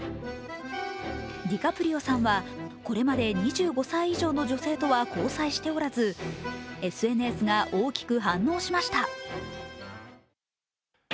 ディカプリオさんはこれまで２５歳以上の女性とは交際しておらずＳＮＳが大きく反応しました。